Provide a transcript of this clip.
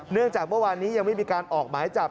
จากเมื่อวานนี้ยังไม่มีการออกหมายจับ